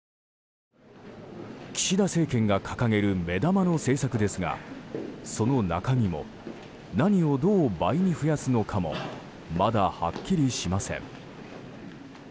岸田政権が掲げる目玉の政策ですがその中身も何をどう倍に増やすのかもまだはっきりしません。